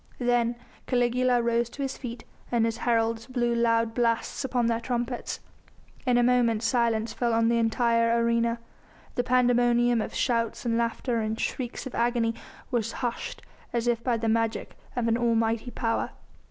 Then Caligula rose to his feet and his heralds blew loud blasts upon their trumpets. In a moment silence fell on the entire arena; the pandemonium of shouts and laughter and shrieks of agony was hushed as if by the magic of an almighty power.